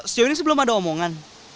sejauh ini sih belum ada omongan